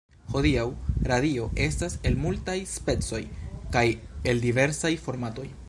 Hodiaŭ, radio estas el multaj specoj, kaj el diversaj formatoj.